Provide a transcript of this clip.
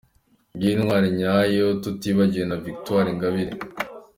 Ngiyi intwali nyayo tutibagiwe na Victoire Ingabire.